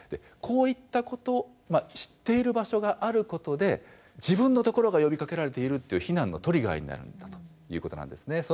こういったことまあ知っている場所があることで自分のところが呼びかけられているっていう避難のトリガーになるんだということなんですね。